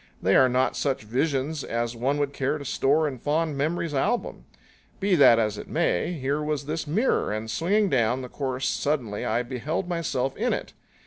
They are not such visions as one would care to store in fond memory's album. Be that as it may, here was this mirror, and swinging down the course suddenly I beheld myself in it.